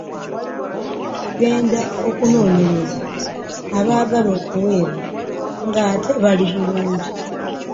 Ogenda okunoonyereza abaagala okuweebwa ng'ate bali bulungi.